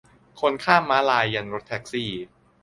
คนข้ามม้าลายยันรถแท็กซี่